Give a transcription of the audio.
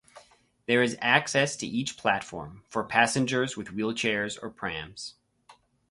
There is access, to each platform, for passengers with wheelchairs or prams.